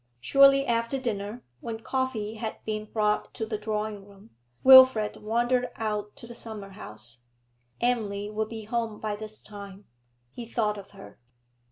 Shortly after dinner, when coffee had been brought to the drawing room, Wilfrid wandered out to the summer house. Emily would be home by this time. He thought of her....